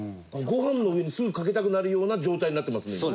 ご飯の上にすぐかけたくなるような状態になってますもんね。